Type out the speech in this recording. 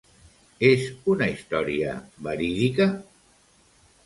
És una història verídica?